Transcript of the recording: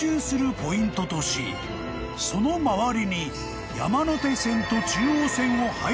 ［その周りに］